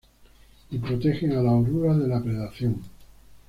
Y protegen a las orugas de la predación.